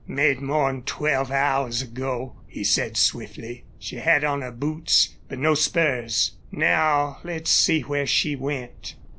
"Made more 'n twelve hours ago," he said, swiftly. "She had on her boots, but no spurs.... Now let's see where she went."